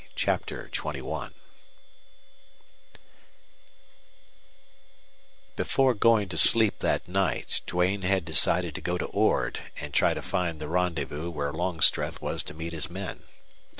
CHAPTER XXI Before going to sleep that night Duane had decided to go to Ord and try to find the rendezvous where Longstreth was to meet his men.